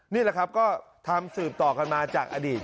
นี่แหละครับก็ทำสืบต่อกันมาจากอดีต